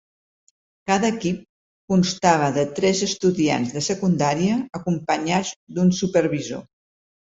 Cada equip constava de tres estudiants de secundària acompanyats d'un supervisor.